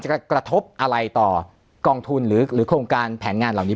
กระทบอะไรต่อกองทุนหรือโครงการแผนงานเหล่านี้